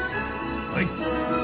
はい。